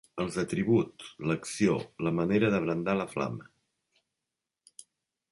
...els atributs, l'acció, la manera de brandar la flama.